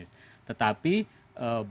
bahwa disana terjadi kriminalisasi